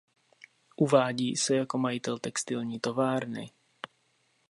Uvádí se jako majitel textilní továrny.